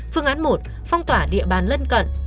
phương án một phong tỏa địa bàn lân cận